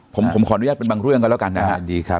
ผมขออนุญาตเป็นบางเรื่องก็แล้วกันนะฮะดีครับ